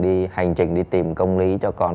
đi hành trình đi tìm công lý cho con